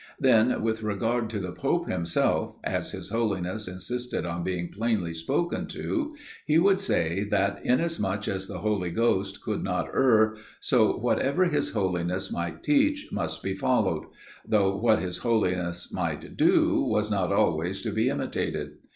Then, with regard to the pope himself, as his Holiness insisted on being plainly spoken to, he would say, that, inasmuch as the Holy Ghost could not err, so whatever his Holiness might teach, must be followed; though, what his Holiness might do, was not always to be imitated.